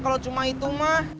kalau cuma itu mah